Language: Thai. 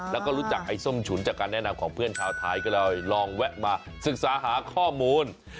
แล้วก็รู้จักไอ้ส้มฉุนจากการแนะนำของเพื่อนชาวไทยก็เลยลองแวะมาศึกษาหาข้อมูล